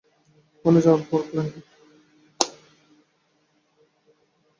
ওখানে যাওয়ার পর প্ল্যান কি?